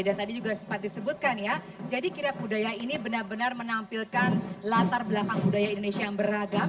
dan tadi juga sempat disebutkan ya jadi kira kira budaya ini benar benar menampilkan latar belakang budaya indonesia yang beragam